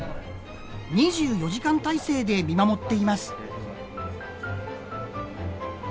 ２４時間体制で見守っています。